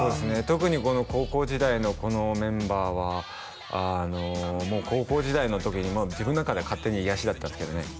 特にこの高校時代のこのメンバーはもう高校時代の時に自分の中で勝手に癒やしだったですけどね